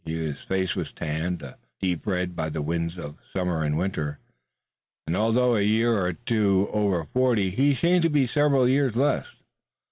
His face was tanned a deep red by the winds of summer and winter, and although a year or two over forty he seemed to be several years less.